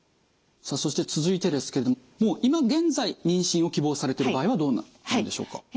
さあそして続いてですけれどももう今現在妊娠を希望されている場合はどうなるんでしょうか？